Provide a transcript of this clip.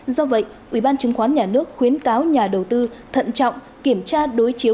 do vậy ủy ban chứng khoán nhà nước khuyến cáo nhà đầu tư thận trọng kiểm tra đối chiếu